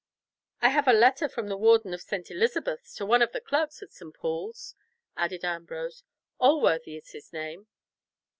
"I have a letter from the Warden of St. Elizabeth's to one of the clerks of St. Paul's," added Ambrose. "Alworthy is his name."